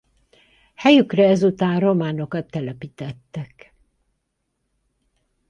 Helyükre ezután románokat telepítettek.